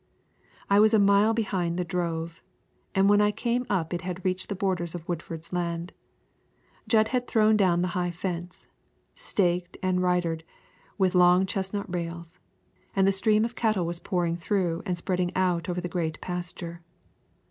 I was a mile behind the drove, and when I came up it had reached the borders of Woodford's land. Jud had thrown down the high fence, staked and ridered with long chestnut rails, and the stream of cattle was pouring through and spreading out over the great pasture.